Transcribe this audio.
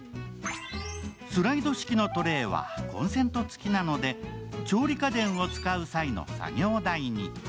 スライド式のトレーはコンセント付きなので、調理家電を使う際の作業台に。